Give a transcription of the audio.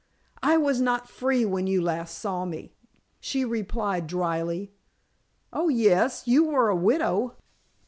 "I was not free when you last saw me," she replied dryly. "Oh, yes; you were a widow."